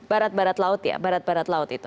barat barat laut ya barat barat laut itu